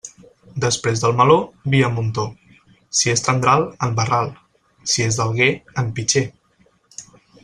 Després del meló, vi a muntó; si és tendral, en barral; si és d'Alger, en pitxer.